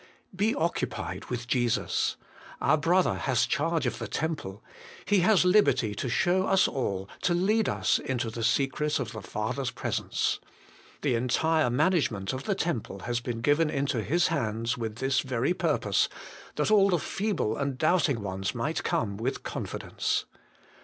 Be occupied with Jesus. Our Brother has charge of the Temple ; He has liberty to show us all, to lead us into the secret of the Father's presence. The entire management of the Temple has been given into His hands with this very purpose, that all the feeble and doubting ones might ' come with confidence.